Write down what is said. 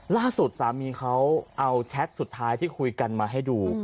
ล่าสุดสามีเขาเอาแชทสุดท้ายที่คุยกันมาให้ดู